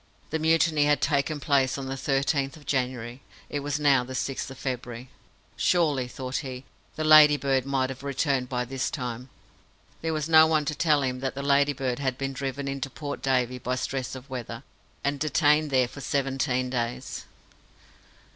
The mutiny had taken place on the 13th of January; it was now the 6th of February. "Surely," thought he, "the Ladybird might have returned by this time." There was no one to tell him that the Ladybird had been driven into Port Davey by stress of weather, and detained there for seventeen days.